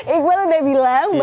iqbal udah bilang bahwa